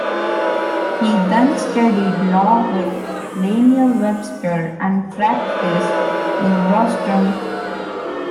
He then studied law with Daniel Webster and practiced in Boston.